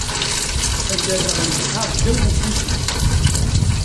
Ad rreɣ lebḥer ddaw ufus-is.